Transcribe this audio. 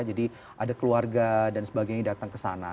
jadi ada keluarga dan sebagainya yang datang ke sana